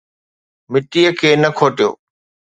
مٽيءَ کي نه کوٽيو